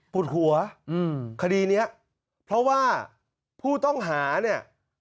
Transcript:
ปวดหัวคดีนี้เพราะว่าผู้ต้องหาเนี่ย